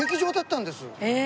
へえ。